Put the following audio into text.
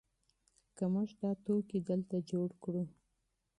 که موږ دا توکي دلته جوړ کړو.